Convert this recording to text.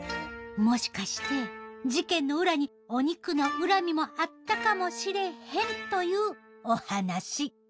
もしかして事件の裏にお肉の恨みもあったかもしれへんというお話。